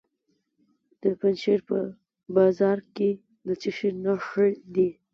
د پنجشیر په بازارک کې د څه شي نښې دي؟